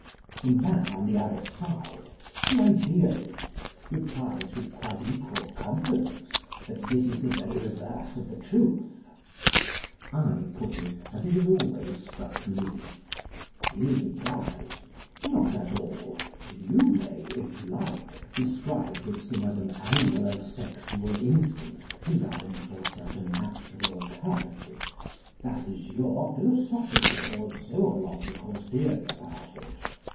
The man on the other side, the idealist, replies, with quite equal confi dence, that this is the very reverse of the truth. I put it as it has always struck me ; he replies, ^* Not at all. You ma,y, if you like, describe this thing as an animal and sexual instinct, designed for certain natural purposes ; that is your philosophical or zoological theory about it.